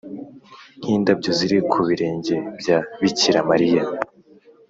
nk’indabyo ziri ku birenge bya bikira mariya